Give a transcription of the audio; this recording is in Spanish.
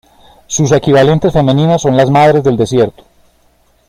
Sus equivalentes femeninas son las Madres del desierto.